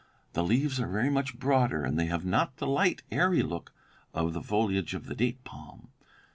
The leaves are very much broader, and they have not the light, airy look of the foliage of the date palm.